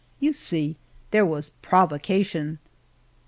You see there was provocation